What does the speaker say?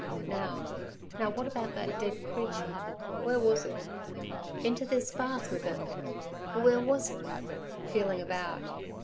Now, now, what about that dead creature? Where was it? Into this bath with it. Where was it?—feeling about.